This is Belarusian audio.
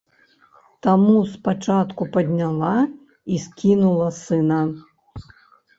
Таму спачатку падняла і скінула сына.